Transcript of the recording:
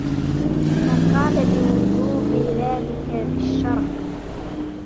وَمَنْ قَالَ بِوُجُوبِ ذَلِكَ بِالشَّرْعِ